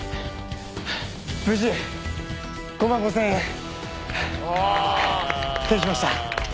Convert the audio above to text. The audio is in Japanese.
無事５万５，０００円手にしました。